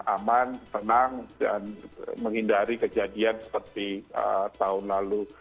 aman tenang dan menghindari kejadian seperti tahun lalu